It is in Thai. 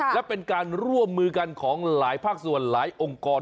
และเป็นการร่วมมือกันของหลายภาคส่วนหลายองค์กร